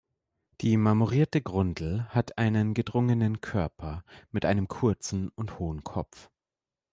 Die Marmorierte Grundel hat einen gedrungenen Körper, mit einem kurzen und hohen Kopf.